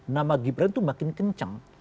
nama gibran itu makin kencang